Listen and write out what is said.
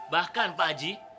bahkan pak haji